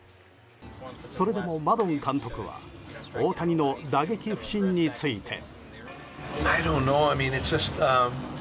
それでもマドン監督は大谷の打撃不振について。